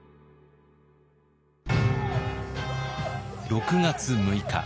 ６月６日。